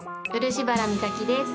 漆原実咲です。